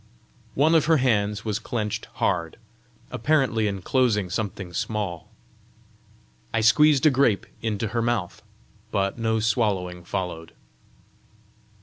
One of her hands was clenched hard, apparently inclosing something small. I squeezed a grape into her mouth, but no swallowing followed.